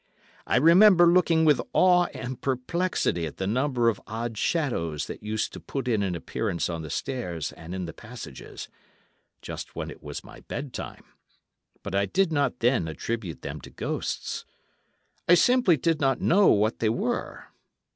I remember looking with awe and perplexity at the number of odd shadows that used to put in an appearance on the stairs and in the passages, just when it was my bed time, but I did not then attribute them to ghosts. I simply did not know what they were.